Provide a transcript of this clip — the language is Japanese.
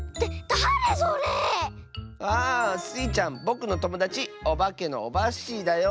だれそれ⁉ああスイちゃんぼくのともだちおばけのオバッシーだよ。